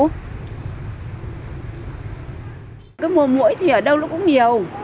cái mùa mũi thì ở đâu nó cũng nhiều